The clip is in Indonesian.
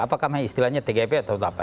apakah istilahnya tgpf atau apa